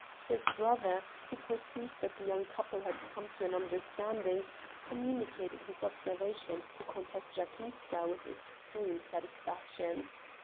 His brother, who perceived that the young couple had come to an understanding, communicated his observations to Countess Jatinska with extreme satisfaction.